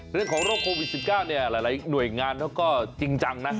เรื่องของโรคโควิด๑๙เนี่ยหลายหน่วยงานเขาก็จริงจังนะ